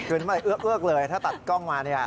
คืนน้ำลายเอื้อกเลยถ้าตัดกล้องมา